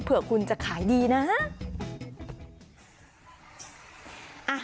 เผื่อคุณจะขายดีนะ